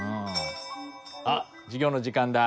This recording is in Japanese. あっ授業の時間だ。